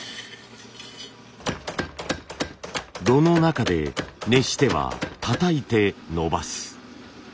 炉の中で熱してはたたいて伸ばす。